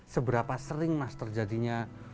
seberapa sering mas terjadinya